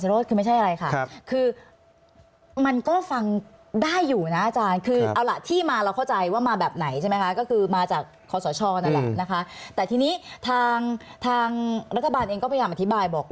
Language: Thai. สุดท้ายแล้วมันขึ้นอยู่กับเอกสิทธิ์